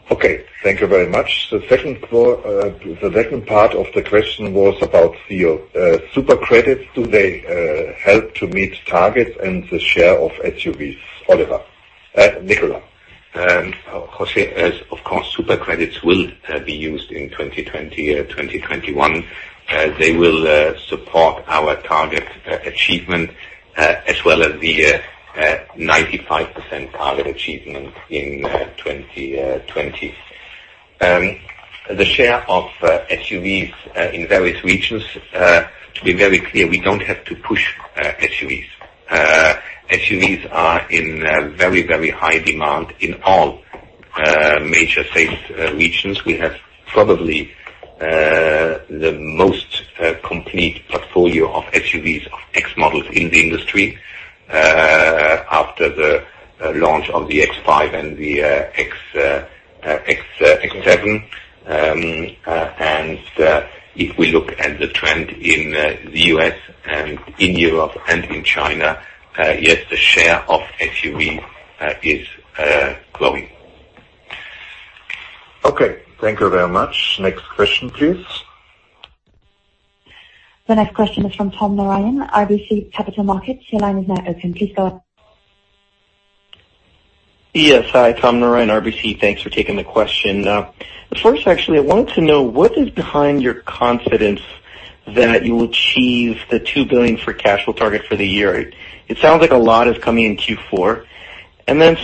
Thank you very much. The second part of the question was about super-credits. Do they help to meet targets and the share of SUVs? Nicolas. Jose, as of course, super-credits will be used in 2020 or 2021. They will support our target achievement, as well as the 95% target achievement in 2020. The share of SUVs in various regions, to be very clear, we don't have to push SUVs. SUVs are in very high demand in all major sales regions. We have probably the most complete portfolio of SUVs of X models in the industry after the launch of the X5 and the X7. If we look at the trend in the U.S. In Europe and in China, yes, the share of SUV is growing. Okay. Thank you very much. Next question, please. The next question is from Tom Narayan, RBC Capital Markets. Your line is now open. Please go ahead. Yes. Hi, Tom Narayan, RBC. Thanks for taking the question. First, actually, I wanted to know, what is behind your confidence that you will achieve the 2 billion for cash flow target for the year? It sounds like a lot is coming in Q4.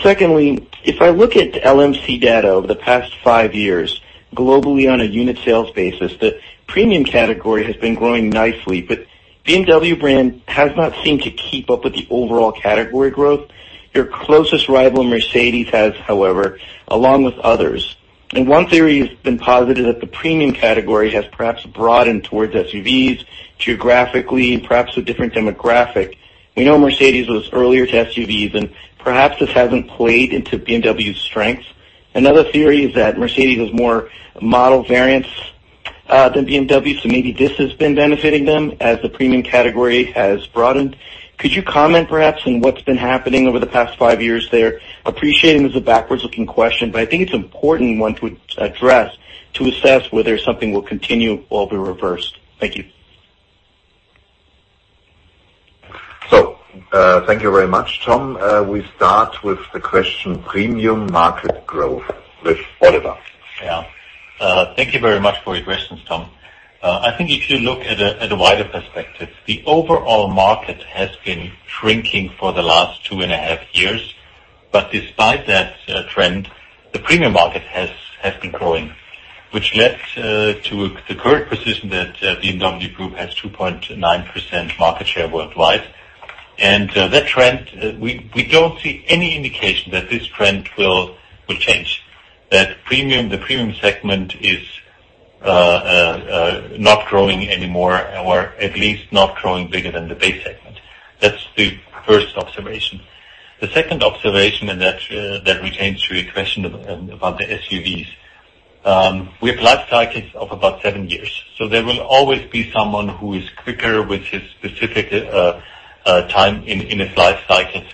Secondly, if I look at LMC data over the past five years, globally on a unit sales basis, the premium category has been growing nicely, but BMW brand has not seemed to keep up with the overall category growth. Your closest rival, Mercedes, has, however, along with others. One theory has been posited that the premium category has perhaps broadened towards SUVs geographically, perhaps with different demographic. We know Mercedes was earlier to SUVs, and perhaps this hasn't played into BMW's strengths. Another theory is that Mercedes has more model variants than BMW. Maybe this has been benefiting them as the premium category has broadened. Could you comment, perhaps, on what's been happening over the past five years there? Appreciating this is a backwards-looking question, I think it's an important one to address to assess whether something will continue or be reversed. Thank you. Thank you very much, Tom. We start with the question premium market growth with Oliver. Yeah. Thank you very much for your questions, Tom. I think if you look at a wider perspective, the overall market has been shrinking for the last two and a half years. Despite that trend, the premium market has been growing, which led to the current position that the BMW Group has 2.9% market share worldwide. That trend, we don't see any indication that this trend will change, that the premium segment is not growing anymore or at least not growing bigger than the base segment. That's the first observation. The second observation, and that retains to your question about the SUVs. We have life cycles of about seven years, so there will always be someone who is quicker with his specific time in his life cycles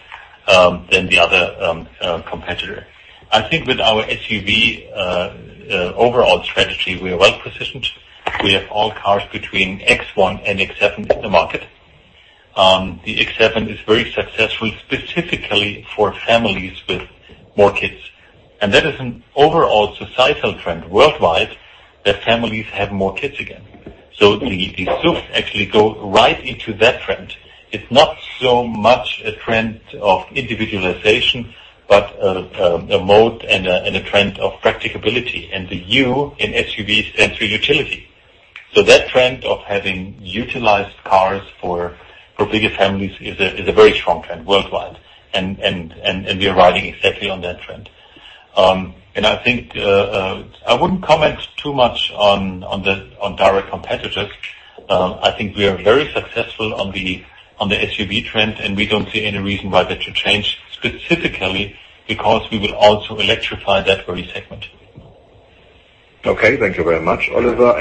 than the other competitor. I think with our SUV overall strategy, we are well-positioned. We have all cars between X1 and X7 in the market. The X7 is very successful, specifically for families with more kids. That is an overall societal trend worldwide, that families have more kids again. The SUVs actually go right into that trend. It's not so much a trend of individualization, but a mode and a trend of practicability, and the U in SUV stands for utility. That trend of having utilized cars for bigger families is a very strong trend worldwide, and we are riding exactly on that trend. I think I wouldn't comment too much on direct competitors. I think we are very successful on the SUV trend, and we don't see any reason why that should change, specifically because we will also electrify that very segment. Okay, thank you very much, Oliver.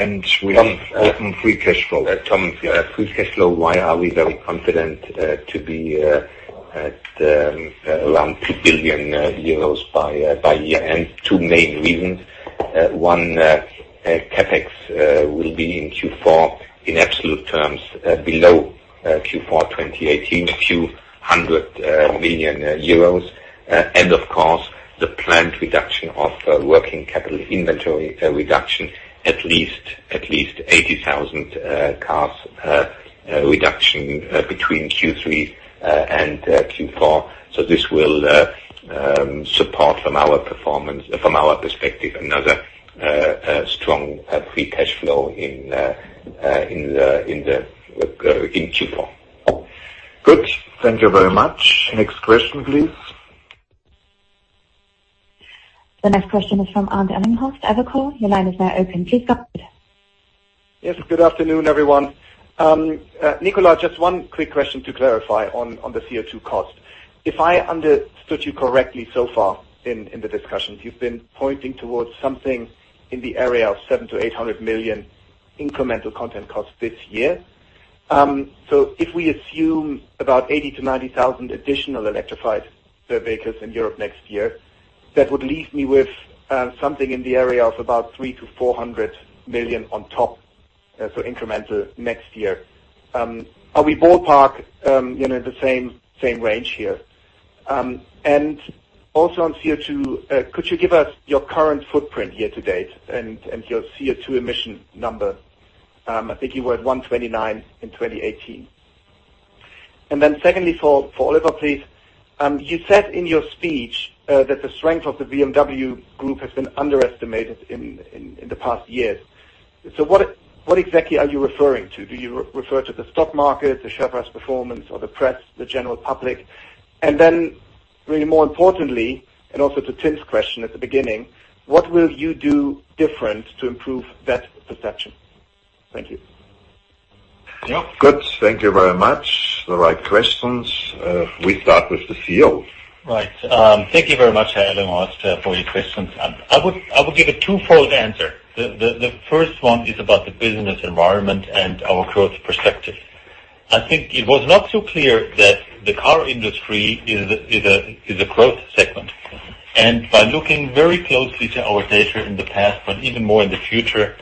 We have open free cash flow. Tom, free cash flow, why are we very confident to be at around 2 billion euros by year-end? Two main reasons. One, CapEx will be in Q4 in absolute terms below Q4 2018, a few hundred million EUR. Of course, the planned reduction of working capital inventory reduction, at least 80,000 cars reduction between Q3 and Q4. This will support from our perspective, another strong free cash flow in Q4. Good. Thank you very much. Next question, please. The next question is from Arndt Ellinghorst, Evercore. Your line is now open. Please go ahead. Yes. Good afternoon, everyone. Nicolas, just one quick question to clarify on the CO2 cost. If I understood you correctly so far in the discussion, you've been pointing towards something in the area of 700 million to 800 million incremental content cost this year. If we assume about 80,000 to 90,000 additional electrified vehicles in Europe next year, that would leave me with something in the area of about 300 million to 400 million on top, incremental next year. Are we ballpark the same range here? Also on CO2, could you give us your current footprint year to date and your CO2 emission number? I think you were at 129 in 2018. Secondly, for Oliver, please. You said in your speech that the strength of the BMW Group has been underestimated in the past years. What exactly are you referring to? Do you refer to the stock market, the share price performance or the press, the general public? Really more importantly, and also to Tim's question at the beginning, what will you do different to improve that perception? Thank you. Yeah. Good. Thank you very much. The right questions. We start with the CO2. Right. Thank you very much, Helen Ost, for your questions. I would give a twofold answer. The first one is about the business environment and our growth perspective. I think it was not so clear that the car industry is a growth segment. By looking very closely to our data in the past, but even more in the future,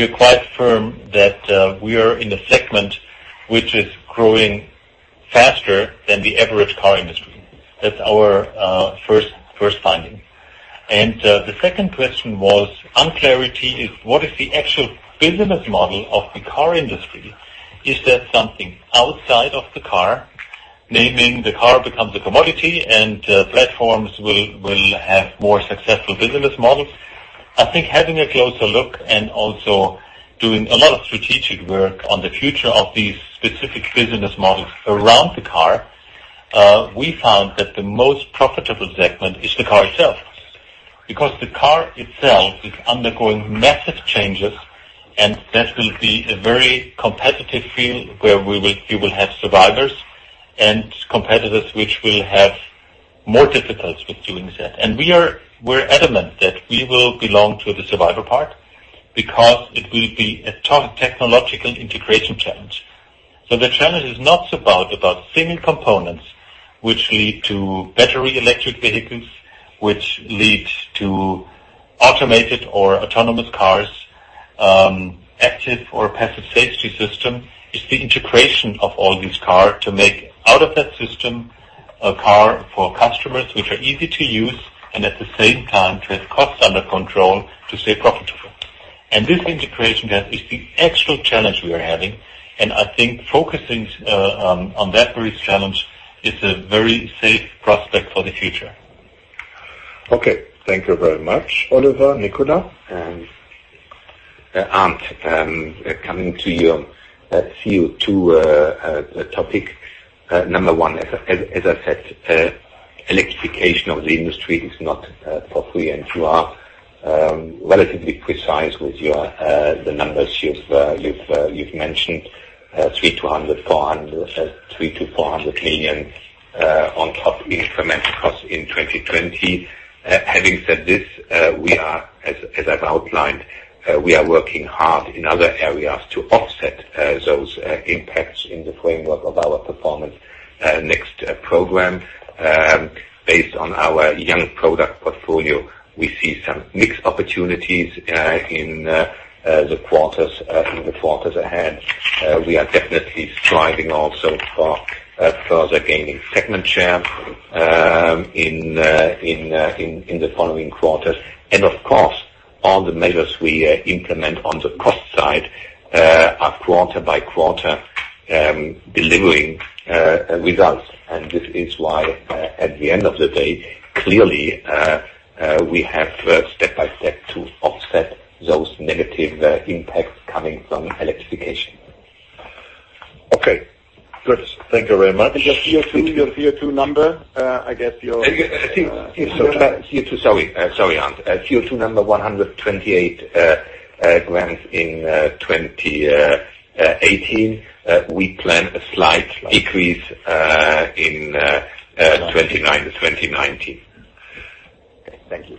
we are quite firm that we are in a segment which is growing faster than the average car industry. That's our first finding. The second question was unclarity, is what is the actual business model of the car industry? Is there something outside of the car, naming the car becomes a commodity and platforms will have more successful business models. I think having a closer look and also doing a lot of strategic work on the future of these specific business models around the car, we found that the most profitable segment is the car itself. The car itself is undergoing massive changes, and that will be a very competitive field where we will have survivors and competitors, which will have more difficulties with doing that. We're adamant that we will belong to the survival part because it will be a tough technological integration challenge. The challenge is not about single components which lead to battery electric vehicles, which leads to automated or autonomous cars, active or passive safety system. It's the integration of all these cars to make out of that system a car for customers, which are easy to use and at the same time to have costs under control, to stay profitable. This integration gap is the actual challenge we are having, and I think focusing on that very challenge is a very safe prospect for the future. Okay. Thank you very much, Oliver. Nicolas? Arndt, coming to you. A few, two topic. Number one, as I said, electrification of the industry is not for free, and you are relatively precise with the numbers you've mentioned, 300 million-400 million on top incremental cost in 2020. Having said this, as I've outlined, we are working hard in other areas to offset those impacts in the framework of our Performance > NEXT program. Based on our young product portfolio, we see some mixed opportunities in the quarters ahead. We are definitely striving also for further gaining segment share in the following quarters. Of course, all the measures we implement on the cost side are quarter by quarter delivering results. This is why, at the end of the day, clearly, we have step by step to offset those negative impacts coming from electrification. Okay, good. Thank you very much. Your CO2 number, I guess. Sorry, Arndt. CO2 number, 128 grams in 2018. We plan a slight decrease in 2019. Thank you.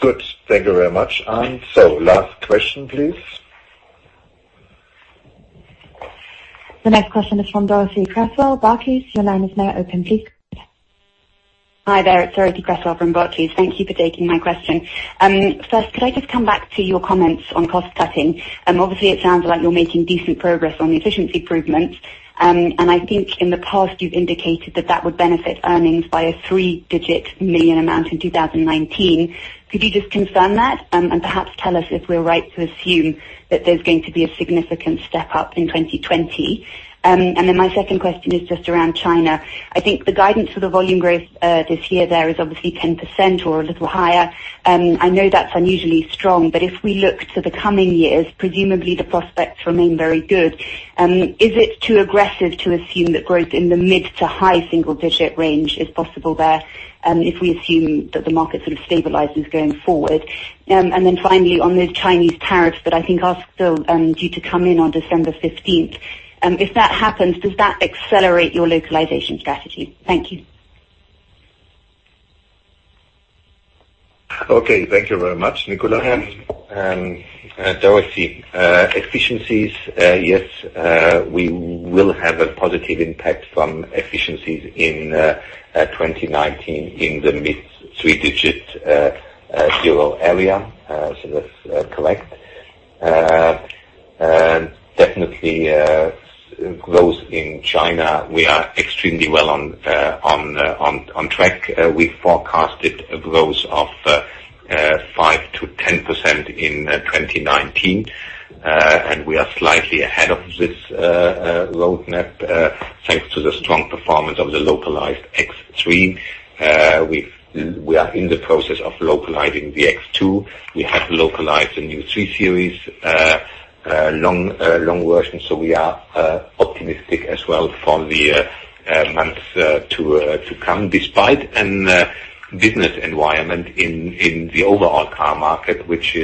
Good. Thank you very much, Arndt. Last question, please. The next question is from Dorothee Cresswell, Barclays. Your line is now open. Please go ahead. Hi there. It's Dorothee Cresswell from Barclays. Thank you for taking my question. First, could I just come back to your comments on cost-cutting? Obviously, it sounds like you're making decent progress on the efficiency improvements. I think in the past you've indicated that that would benefit earnings by a three-digit million amount in 2019. Could you just confirm that? Perhaps tell us if we're right to assume that there's going to be a significant step up in 2020. My second question is just around China. I think the guidance for the volume growth, this year there is obviously 10% or a little higher. I know that's unusually strong, but if we look to the coming years, presumably the prospects remain very good. Is it too aggressive to assume that growth in the mid to high single digit range is possible there, if we assume that the market sort of stabilizes going forward? Finally, on the Chinese tariffs that I think are still due to come in on December 15th. If that happens, does that accelerate your localization strategy? Thank you. Okay. Thank you very much. Nicolas? Dorothee. Efficiencies, yes, we will have a positive impact from efficiencies in 2019 in the mid three-digit EUR area. That's correct. Definitely, growth in China, we are extremely well on track. We forecasted a growth of 5%-10% in 2019, and we are slightly ahead of this roadmap, thanks to the strong performance of the localized X3. We are in the process of localizing the X2. We have localized the new 3 Series long version. We are optimistic as well for the months to come despite a business environment in the overall car market, which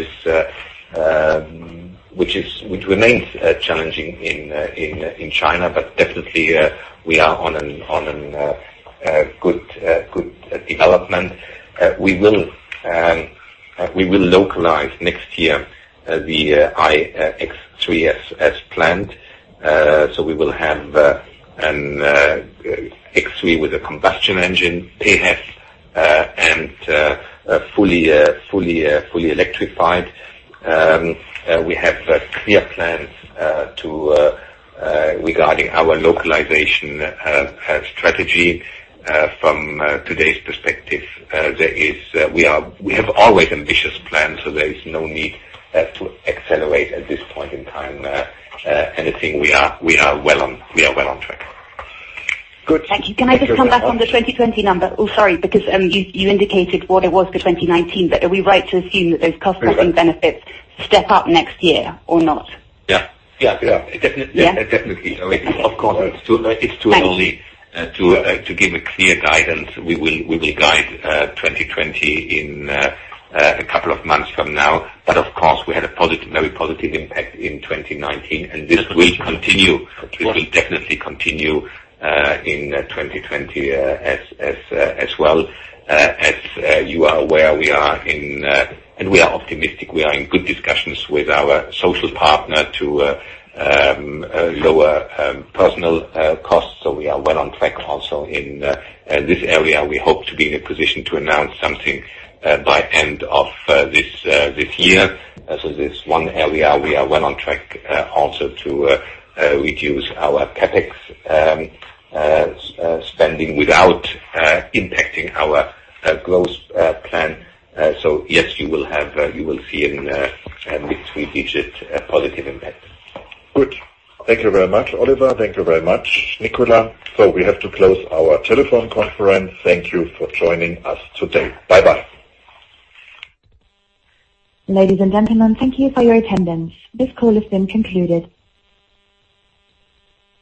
remains challenging in China. Definitely, we are on a good development. We will localize next year the iX3 as planned. We will have an X3 with a combustion engine, PHEV, and fully electrified. We have clear plans regarding our localization strategy from today's perspective. We have always ambitious plans, so there is no need to accelerate at this point in time anything. We are well on track. Good. Thank you. Can I just come back on the 2020 number? Oh, sorry, because you indicated what it was for 2019, are we right to assume that those cost saving benefits step up next year or not? Yeah. Definitely. Yeah? Of course. It's too early to give a clear guidance. We will guide 2020 in a couple of months from now. Of course, we had a very positive impact in 2019, and this will continue. It will definitely continue in 2020 as well. You are aware, and we are optimistic, we are in good discussions with our social partner to lower personal costs. We are well on track also in this area. We hope to be in a position to announce something by end of this year. There's one area we are well on track also to reduce our CapEx spending without impacting our growth plan. Yes, you will see a mid-single-digit positive impact. Good. Thank you very much, Oliver. Thank you very much, Nicolas. We have to close our telephone conference. Thank you for joining us today. Bye-bye. Ladies and gentlemen, thank you for your attendance. This call has been concluded.